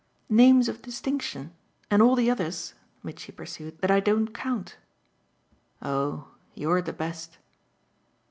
"Names of distinction. And all the others," Mitchy pursued, "that I don't count." "Oh you're the best."